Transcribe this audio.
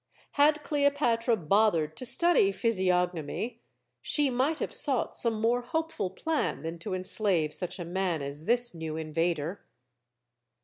Had Cleopatra bothered to study physiognomy, she might have sought some more hopeful plan than to enslave such a man as this new invader.